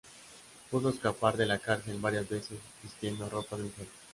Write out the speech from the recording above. Pudo escapar de la cárcel varias veces vistiendo ropa de mujer.